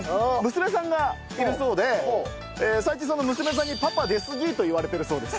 娘さんがいるそうで最近その娘さんに「パパ出すぎ」と言われてるそうです。